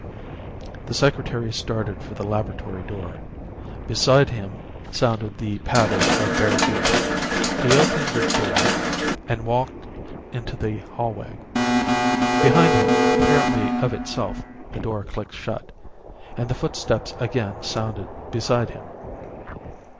The Secretary started for the laboratory door. Beside him sounded the patter of bare feet. He opened the door and walked into the hallway. Behind him, apparently of itself, the door clicked shut; and the footsteps again sounded beside him.